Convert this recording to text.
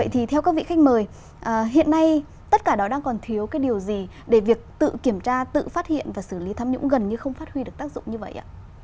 thì theo các vị khách mời hiện nay tất cả đó đang còn thiếu cái điều gì để việc tự kiểm tra tự phát hiện và xử lý tham nhũng gần như không phát huy được tác dụng như vậy ạ